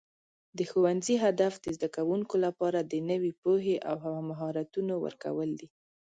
د ښوونځي هدف د زده کوونکو لپاره د نوي پوهې او مهارتونو ورکول دي.